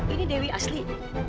ini dewi asli